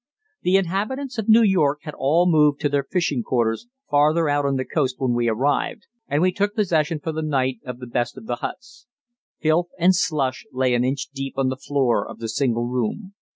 The inhabitants of New York had all moved to their fishing quarters farther out on the coast when we arrived, and we took possession for the night of the best of the huts. Filth and slush lay an inch deep on the floor of the single room.